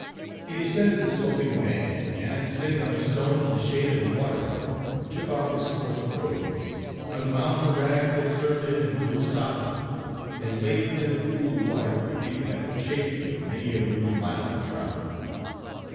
He descended the sloping bank, and, sitting on a stone in the shade of a water oak, took off his coarse brogans, unwound the rags that served him in lieu of stockings, and laved in the cool water the feet that were chafed with many a weary mile of travel.